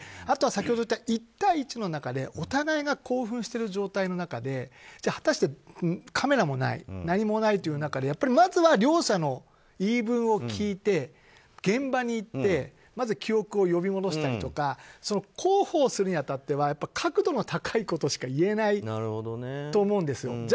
あとは先ほど言った１対１の中でお互いが興奮している状態の中で果たして、カメラもない何もないという中でまずは両者の言い分を聞いて現場に行ってまず記憶を呼び戻したりとか広報するに当たっては確度の高いことしか言えないと思うんですよ。